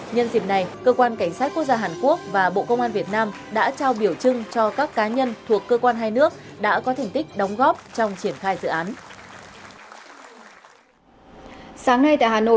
nhân dịp này cơ quan cảnh sát quốc gia hàn quốc và bộ công an việt nam đã trao biểu trưng cho các cá nhân thuộc cơ quan hai nước đã có thành tích đóng góp trong triển khai dự án